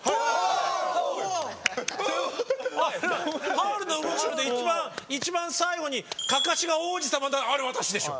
「ハウルの動く城」で一番最後にかかしが王子様あれ私でしょ。